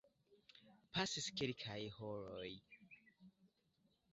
Pasis kelkaj horoj.